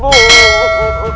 kamu akan melakukan nuclei